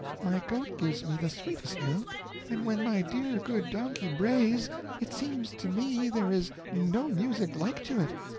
My goat gives me the sweetest milk, and when my dear good donkey brays it seems to me there is no music like to it.